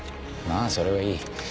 まぁそれはいい。